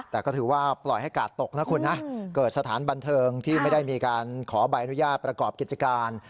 แต่ก็ถือว่าปล่อยให้กาดตกนะคุณนะเกิดสถานบันเทิงที่ไม่ได้มีการขอใบอนุญาตประกอบกิจการ